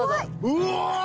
うわ！